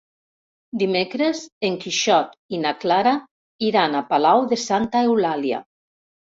Dimecres en Quixot i na Clara iran a Palau de Santa Eulàlia.